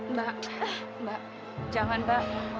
mbak mbak jangan mbak